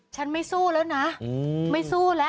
ฉันไม่สู้แล้วนะไม่สู้แล้ว